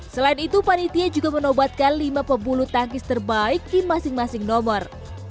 selain itu panitia juga menobatkan lima pebulu tangkis terbaik di masing masing nomor